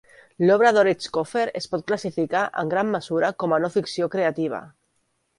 L'obra d'Ortiz Cofer es pot classificar en gran mesura com a no ficció creativa.